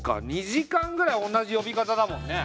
２時間ぐらい同じ呼び方だもんね。